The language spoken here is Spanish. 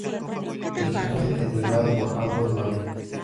El equipo fue entrenado por Amos Magee.